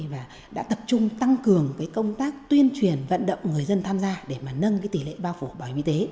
và đã tập trung tăng cường công tác tuyên truyền vận động người dân tham gia để mà nâng tỷ lệ bao phủ bảo hiểm y tế